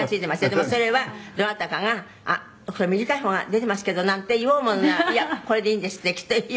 でもそれはどなたかが“短い方が出てますけど”なんて言おうものなら“いやこれでいいんです”ってきっと言われる」